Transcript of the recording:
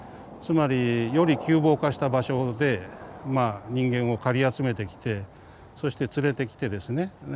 つまりより窮乏化した場所で人間をかり集めてきてそして連れてきてですね